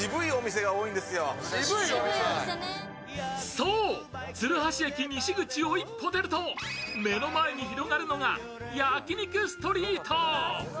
そう、鶴橋駅西口を一歩出ると、目の前に広がるのが焼肉ストリート。